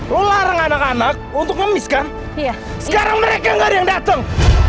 lu larang anak anak untuk ngemis kan iya sekarang mereka yang dateng